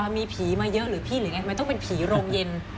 มีผีมาเยอะหรือพี่หรือไงมันต้องเป็นผีโรงเย็น